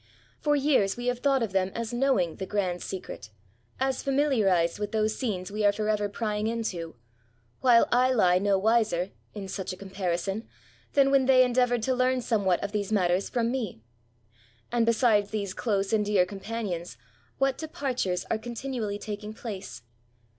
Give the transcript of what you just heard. For years we have thought of them as knowing ^' the grand secret," as familiarized with those scenes we are for ever prying into, while I lie no wiser (in such a com parison) than when they endeavoured to learn somewhat of these matters from me. And besides these close and dear companions, what departures are continually taking place!